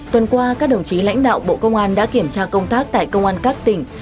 tuần qua các đồng chí lãnh đạo bộ công an đã kiểm tra công tác tại công an các tỉnh